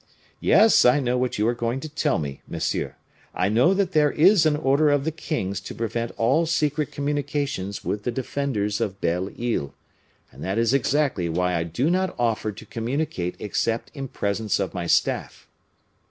"Yes, I know what you are going to tell me, monsieur; I know that there is an order of the king's to prevent all secret communications with the defenders of Belle Isle, and that is exactly why I do not offer to communicate except in presence of my staff."